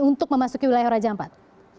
untuk memasuki wilayah raja ampat